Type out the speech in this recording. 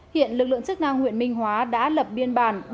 hiện lực lượng chức năng huyện minh hóa đã lập biên bản